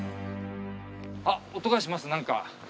あっ音がしますなんか。